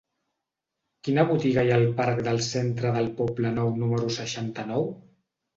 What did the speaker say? Quina botiga hi ha al parc del Centre del Poblenou número seixanta-nou?